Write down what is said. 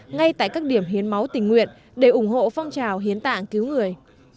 ngay tại các điểm hiến máu tình nguyện để ủng hộ phong trào hiến tạng cứu người